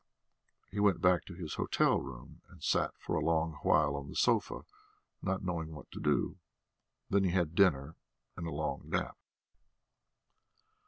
He went back to his hotel room and sat for a long while on the sofa, not knowing what to do, then he had dinner and a long nap.